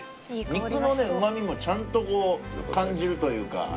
肉のうま味もちゃんとこう感じるというか。